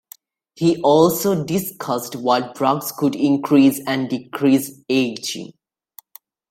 He also discussed what drugs could increase and decrease ageing.